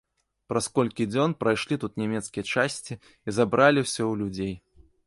Праз колькі дзён прайшлі тут нямецкія часці і забралі ўсё ў людзей.